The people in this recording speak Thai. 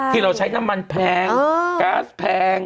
เราใช้น้ำมันแพงก๊าซแพง